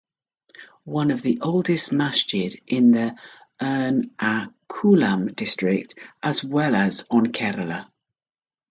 One of the oldest masjid in Ernakulam district as well as on kerala.